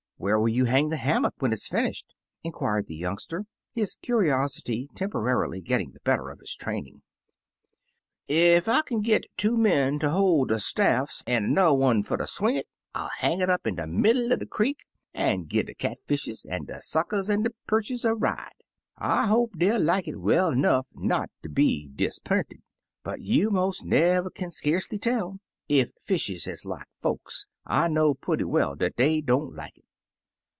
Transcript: Where will you hang the hammock when it is finished?" inquired the young ster, his curiosity temporarily getting the better of his training. Ef I kin g^t two men ter hoF de staffs, an' an'er one fer ter swing it, I '11 hang it up in de middle er de creek, an' gi' de cat fishes an' de suckers, an' de peerches a ride. I hope dey'U like it well 'nough not ter be disapp'inted. But you mos' never kin skacely tell ; ef fishes is like folks, I know purty well dat dey don't like it.